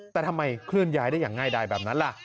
แต่ทำไมเคลื่อนย้ายได้อย่างง่ายดายแบบนั้นล่ะ